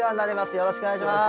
よろしくお願いします。